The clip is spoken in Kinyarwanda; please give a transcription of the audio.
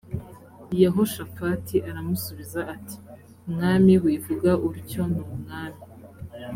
yehoshafati aramusubiza ati mwami wivuga utyo numwami